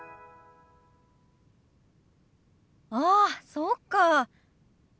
ああそうか。